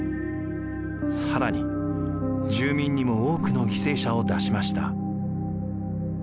更に住民にも多くの犠牲者を出しました。